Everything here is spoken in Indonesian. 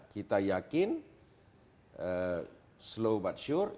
kita yakin slow but sure